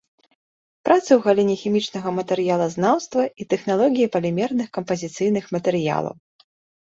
Працы ў галіне хімічнага матэрыялазнаўства і тэхналогіі палімерных кампазіцыйных матэрыялаў.